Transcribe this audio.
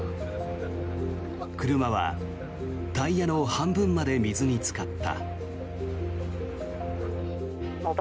車はタイヤの半分まで水につかった。